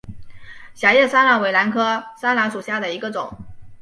狭叶山兰为兰科山兰属下的一个种。